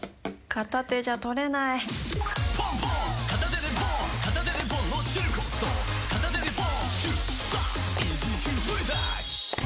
片手でポン！